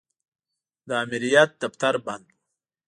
د امریت دفتر بند و.